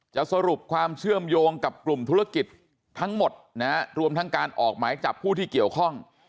สรุปความเชื่อมโยงกับกลุ่มธุรกิจทั้งหมดนะฮะรวมทั้งการออกหมายจับผู้ที่เกี่ยวข้อง